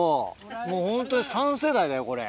もうホントに３世代だよこれ。